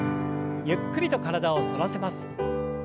ゆっくりと体を反らせます。